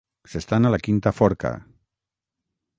S'estan a la quinta forca.